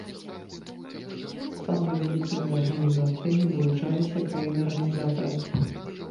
Сама вялікімі дэлегацыямі вылучаліся краіны-арганізатары.